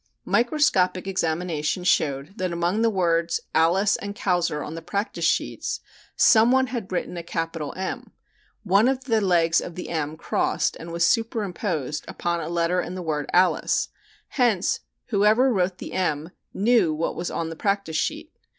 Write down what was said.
Microscopic examination showed that among the words "Alice" and "Kauser" on the practice sheets some one had written a capital "M." One of the legs of the "M" crossed and was superimposed upon a letter in the word "Alice." Hence, whoever wrote the "M" knew what was on the practice sheet.